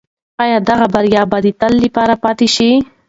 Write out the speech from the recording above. آیا دغه بریا به د تل لپاره پاتې شي؟